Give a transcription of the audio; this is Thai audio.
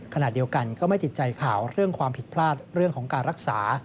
ขณะเดียวกันก็ไม่ติดใจข่าวเรื่องความผิดพลาดเรื่องของการรักษา